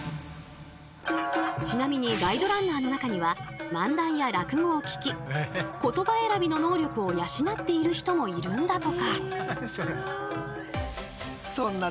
ちなみにガイドランナーの中には漫談や落語を聴き言葉選びの能力を養っている人もいるんだとか。